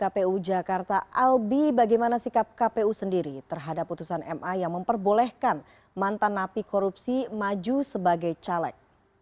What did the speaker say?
kpu jakarta albi bagaimana sikap kpu sendiri terhadap putusan ma yang memperbolehkan mantan napi korupsi maju sebagai caleg